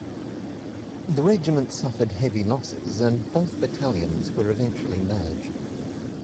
The regiment suffered heavy losses and both battalions were eventually merged.